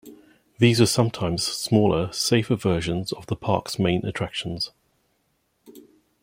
These were sometimes smaller, safer versions of the park's main attractions.